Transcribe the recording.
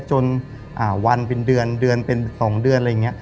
จนวันเป็นเดือนด้านเป็นสองเดือน